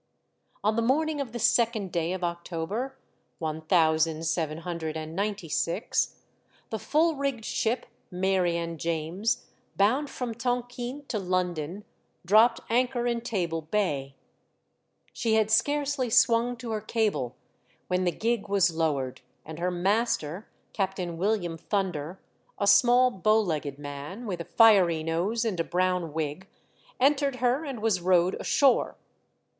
On the morning of the second day of October, one thousand seven hundred and ninety six, the full rigged ship Mary and James, bound from Tonquin to London, dropped anchor in Table Bay. She had scarcely swung to her cable when the gig was lowered, and her master, Captain William Thunder, a small, bow legged man, with a fiery nose and a brown wig, entered her and was rowed ashore.